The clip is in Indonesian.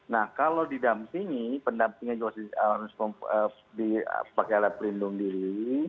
nah kalau didampingi pendampingnya juga harus dipakai alat pelindung diri